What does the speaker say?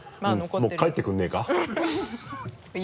もう帰ってくれねぇか？